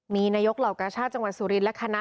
มีนายกเหล่ากาชาติจังหวัดสุรินและคณะ